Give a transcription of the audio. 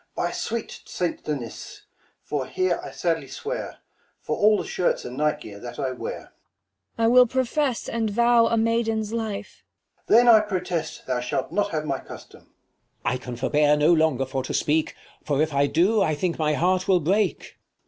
By sweet St. Denis, here I sadly swear, For all the shirts and night gear that I wear. 40 Cor. I will profess and vow a maiden's life. Mum. Then I protest thou shalt not have my custom. King. I can forbear no longer for to speak : 'i For if I do, I think my heart will break.